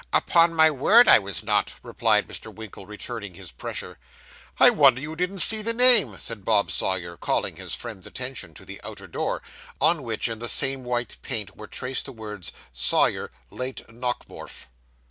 'Upon my word I was not,' replied Mr. Winkle, returning his pressure. 'I wonder you didn't see the name,' said Bob Sawyer, calling his friend's attention to the outer door, on which, in the same white paint, were traced the words 'Sawyer, late Nockemorf.